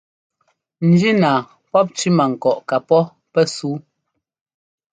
Njínaa pɔ̂p cẅímankɔʼ kapɔ́ pɛ́súu.